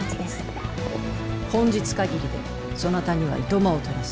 本日限りでそなたには暇をとらす。